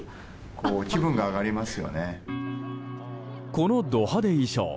このド派手衣装